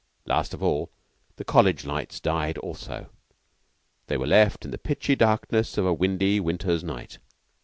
Last of all, the College lights died also. They were left in the pitchy darkness of a windy winter's night.